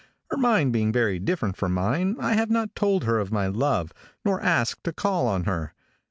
Her mind being very different from mine, I have not told her of my love, nor asked to call on her.